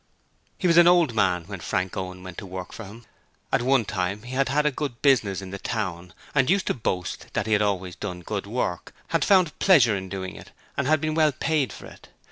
He was an old man when Frank Owen went to work for him. At one time he had had a good business in the town, and used to boast that he had always done good work, had found pleasure in doing it and had been well paid for it.